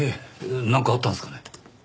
なんかあったんですかね？